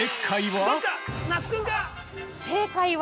◆正解は？